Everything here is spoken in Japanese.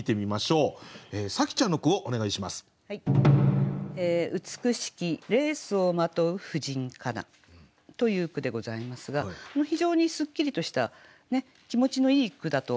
「うつくしきレースを纏ふ婦人かな」という句でございますが非常にすっきりとした気持ちのいい句だと思います。